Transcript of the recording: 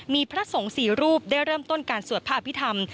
มีพระสงฆ์๔รูปได้เริ่มต้นการสวดพระอภิษฐรรม